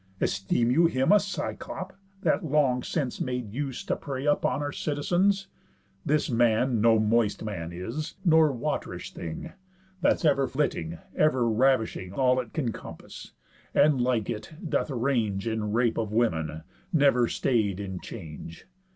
Esteem you him a Cyclop, that long since Made use to prey upon our citizens? This man no moist man is, (nor wat'rish thing, That's ever flitting, ever ravishing All it can compass; and, like it, doth range In rape of women, never stay'd in change).